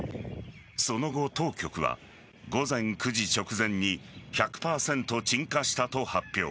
その後、当局は午前９時直前に１００％鎮火したと発表。